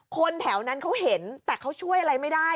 คนแถวนั้นเขาเห็นแต่เขาช่วยอะไรไม่ได้